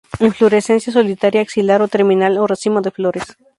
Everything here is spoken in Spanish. Inflorescencia solitaria axilar o terminal o racimo de flores.